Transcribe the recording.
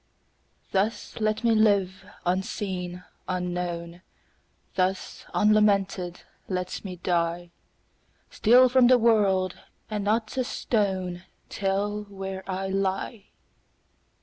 Thus let me live, unseen, unknown; Thus unlamented let me die; Steal from the world, and not a stone Tell where I lie.